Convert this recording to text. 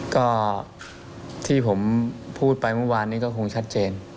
ก็ที่ผมพูดไปเมื่อวานนี้ก็คงชัดเจน